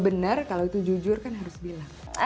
benar kalau itu jujur kan harus bilang